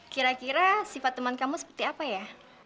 kira kira sifat teman kamu seperti apa ya